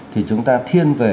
thì chúng ta thiên về